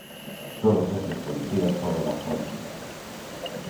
Todos estes policías foron absoltos.